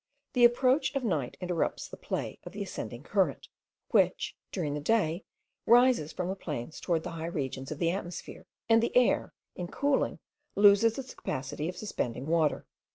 The approach of night interrupts the play of the ascending current, which, during the day, rises from the plains towards the high regions of the atmosphere; and the air, in cooling, loses its capacity of suspending water.